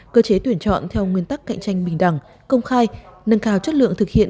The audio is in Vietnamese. cơ chế tuyển chọn theo nguyên tắc cạnh tranh bình đẳng công khai nâng cao chất lượng thực hiện